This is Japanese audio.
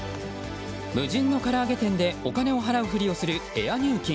無人の唐揚げ店でお金を払うふりをするエア入金。